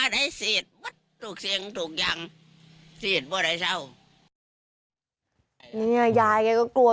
เนี่ยยายแกก็กลัว